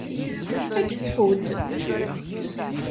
Ad k-tḥudd.